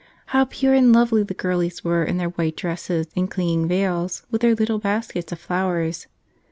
how pure and lovely the girlies were in their white dresses and clinging veils, with their little baskets of flowers.